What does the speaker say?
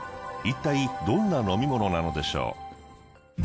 いったいどんな飲み物なのでしょう？